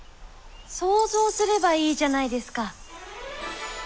想像すればいいじゃないですか。